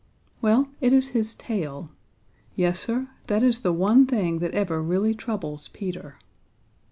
Well, it is his tail. Yes, Sir, that is the one thing that ever really troubles Peter.